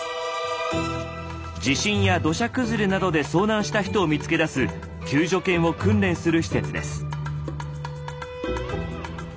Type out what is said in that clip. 地震や土砂崩れなどで遭難した人を見つけ出す救助犬を訓練する施設です。